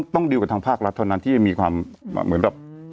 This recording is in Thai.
ดีลกับทางภาครัฐเท่านั้นที่มีความเหมือนแบบ